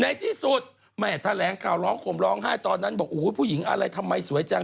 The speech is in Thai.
ในที่สุดแม่แถลงข่าวร้องผมร้องไห้ตอนนั้นบอกโอ้โหผู้หญิงอะไรทำไมสวยจัง